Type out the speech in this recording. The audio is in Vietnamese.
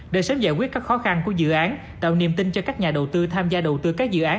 để sớm giải quyết các khó khăn của dự án tạo niềm tin cho các nhà đầu tư tham gia đầu tư các dự án